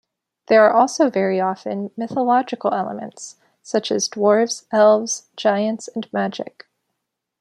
There are also very often mythological elements, such as dwarves, elves, giants and magic.